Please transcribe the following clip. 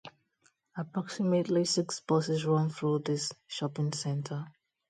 Approximately six buses run through this shopping centre.